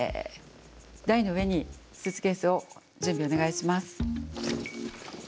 台の上にスーツケースを準備お願いします。